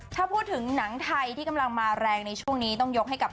ถ้าพูดถึงหนังไทยที่กำลังมาแรงในช่วงนี้ต้องยกให้กับ